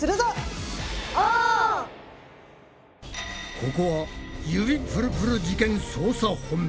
ここは「指プルプル事件捜査本部」。